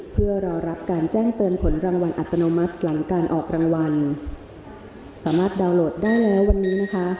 เพื่อรอรับการแจ้งเตือนผลรางวัลอัตโนมัติหลังการออกรางวัลสามารถดาวน์โหลดได้แล้ววันนี้นะคะ